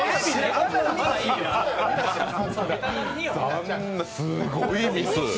あんなすごいミス。